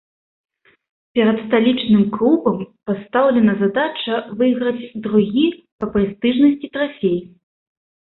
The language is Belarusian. Перад сталічным клубам пастаўлена задача выйграць другі па прэстыжнасці трафей.